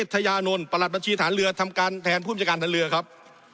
ทยานนท์ประหลัดบัญชีฐานเรือทำการแทนผู้บัญชาการฐานเรือครับ